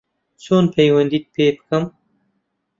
چۆن پەیوەندیت پێ بکەم